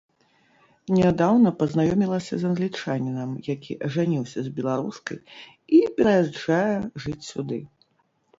Нядаўна пазнаёмілася з англічанінам, які ажаніўся з беларускай і пераязджае жыць сюды.